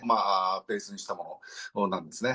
ベースにしたものなんですね。